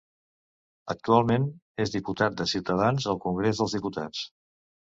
Actualment, és diputat de Ciutadans al Congrés dels Diputats.